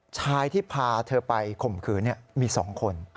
ชายที่พาเธอไปข่มขืนมี๒คน